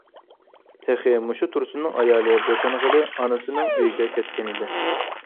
تېخى مۇشۇ تۇرسۇننىڭ ئايالى بوشانغىلى ئانىسىنىڭ ئۆيىگە كەتكەنىدى.